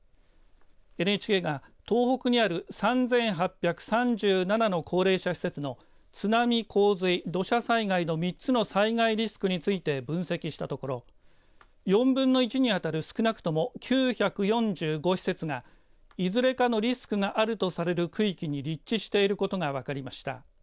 ＮＨＫが東北にある３８３７の高齢者施設の津波、洪水、土砂災害の３つの災害リスクについて分析したところ４分の１に当たる少なくとも９４５施設がいずれかのリスクがあるとされる区域に立地していることが分かりました。